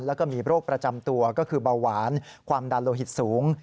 แล้วก็มีโรคประจำตัวก็คือเบาหวานความดันโลหิตสูง